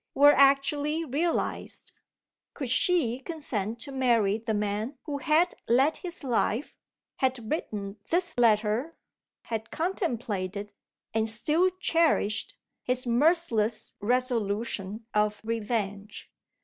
were actually realised, could she consent to marry the man who had led his life, had written this letter, had contemplated (and still cherished) his merciless resolution of revenge?